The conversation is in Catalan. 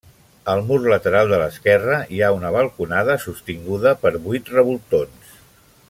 Al mur lateral de l'esquerra hi ha una balconada sostinguda per vuit revoltons.